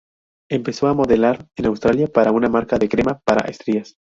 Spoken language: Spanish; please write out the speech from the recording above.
Empezó a modelar en Australia para una marca de crema para estrías.